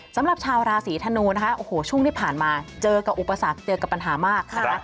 สำหรับชาวราศีธนูนะคะโอ้โหช่วงที่ผ่านมาเจอกับอุปสรรคเจอกับปัญหามากนะคะ